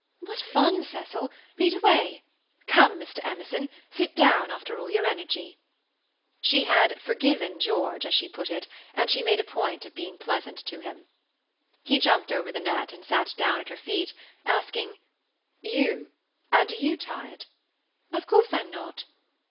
"What fun, Cecil! Read away. Come, Mr. Emerson, sit down after all your energy." She had "forgiven" George, as she put it, and she made a point of being pleasant to him. He jumped over the net and sat down at her feet asking: "You—and are you tired?" "Of course I'm not!"